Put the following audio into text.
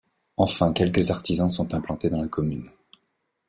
Enfin quelques artisans sont implantés dans la commune.